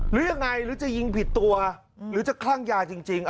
หรือยังไงหรือจะยิงผิดตัวหรือจะคลั่งยาจริง